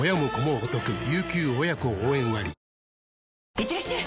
いってらっしゃい！